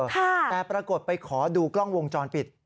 แต่ปรากฏไปขอดูกล้องวงจรปิด